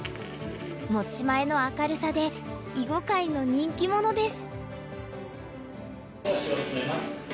持ち前の明るさで囲碁界の人気者です。